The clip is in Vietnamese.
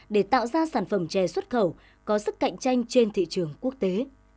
để tạo ra sản phẩm chè xuất khẩu có sức cạnh tranh trên thị trường quốc tế